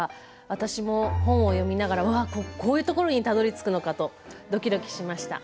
私も本を読みながらこういうところにたどりつくのかとどきどきしました。